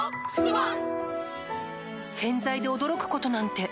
洗剤で驚くことなんて